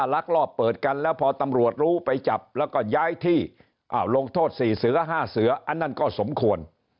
ลักลอบเปิดกันแล้วพอตำรวจรู้ไปจับแล้วก็ย้ายที่ลงโทษ๔เสือ๕เสืออันนั้นก็สมควร